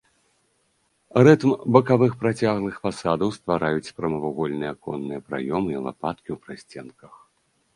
Рытм бакавых працяглых фасадаў ствараюць прамавугольныя аконныя праёмы і лапаткі ў прасценках.